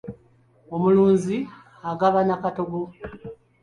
Omulunzi agabana kataago.